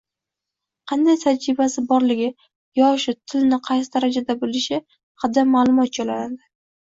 qanday tajribasi borligi, yoshi, tilni qaysi darajada bilishi haqida ma'lumot joylanadi.